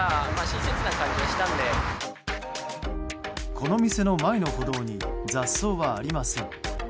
この店の前の歩道に雑草はありません。